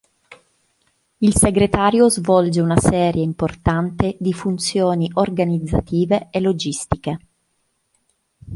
Il segretariato svolge una serie importante di funzioni organizzative e logistiche.